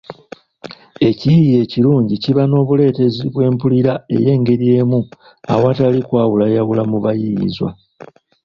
Ekiyiiye ekilungi kiba n’obuleetezi bw’empulira ey’engeri emu awatali kwawulayawula mu bayiiyizwa